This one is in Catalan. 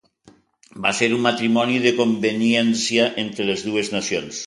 Va ser un matrimoni de conveniència entre les dues nacions.